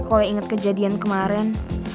kalau inget kejadian kemarin